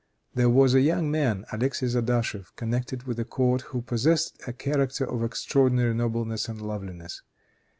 There was a young man, Alexis Adachef, connected with the court who possessed a character of extraordinary nobleness and loveliness.